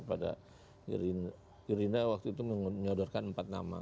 pada gerindra waktu itu menyodorkan empat nama